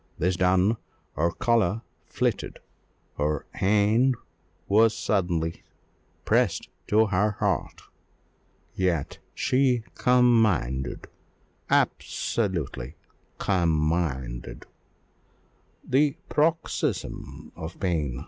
This done, her colour flitted her hand was suddenly pressed to her heart; yet she commanded absolutely commanded, the paroxysm of pain.